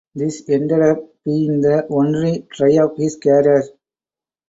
This ended up being the only try of his career.